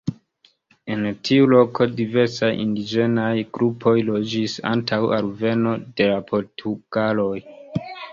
En tiu loko diversaj indiĝenaj grupoj loĝis antaŭ alveno de la portugaloj.